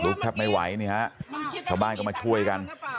รู้ครับไม่ไหวเนี่ยครับชาวบ้านก็มาช่วยกัน